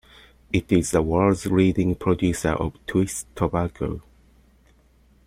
It is the world's leading producer of twist tobacco.